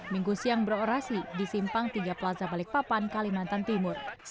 minggu siang berorasi di simpang tiga plaza balikpapan kalimantan timur